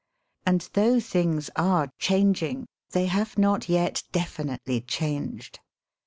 And, though things are changing, they have not yet definitely changed.